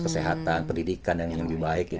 kesehatan pendidikan yang lebih baik